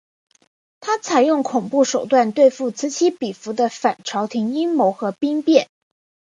他采用恐怖手段对付此起彼伏的反朝廷阴谋和兵变。